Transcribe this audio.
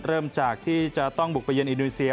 เริ่มจากที่จะต้องบุกไปเย็นอินโดนีเซีย